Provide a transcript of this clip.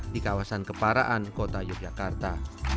di kawasan keparaan kota yogyakarta